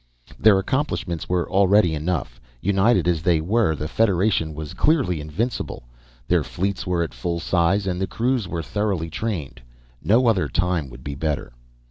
Their accomplishments were already enough. United as they were, the Federation was clearly invincible. Their fleets were at full size and the crews were thoroughly trained. No other time would be better.